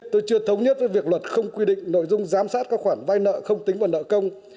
tôi chưa thống nhất với việc luật không quy định nội dung giám sát các khoản vai nợ không tính vào nợ công